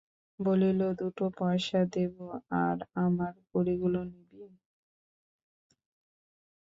বলিল, দুটো পয়সা দেবো, আর আমার কড়িগুলো নিবি?